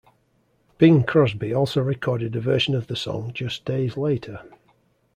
Bing Crosby also recorded a version of the song just days later.